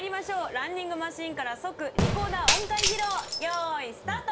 「ランニングマシンから即リコーダー音階披露」よいスタート！